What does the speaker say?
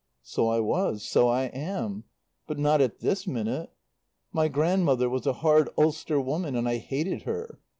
"So I was. So I am. But not at this minute. My grandmother was a hard Ulster woman and I hated her.